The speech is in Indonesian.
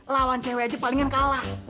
lawan cewek aja palingan kalah